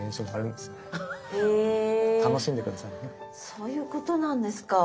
そういうことなんですか。